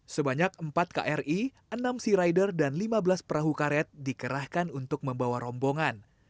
sebanyak empat kri enam sea rider dan lima belas perahu karet dikerahkan untuk membawa rombongan